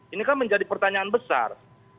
ini kan menjadi pertanyaan besar